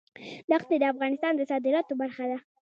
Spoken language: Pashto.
دښتې د افغانستان د صادراتو برخه ده.